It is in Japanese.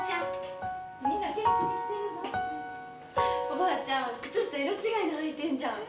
おばあちゃん、靴下色違いの履いてんじゃん！